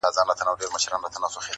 یوه ورځ قسمت راویښ بخت د عطار کړ؛